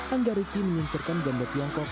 angga riki menyingkirkan ganda tiongkok